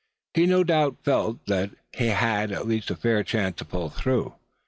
He no doubt felt that he had at least a fair chance to pull through.